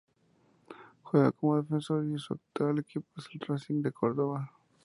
Juega como defensor y su actual equipo es Racing de Córdoba.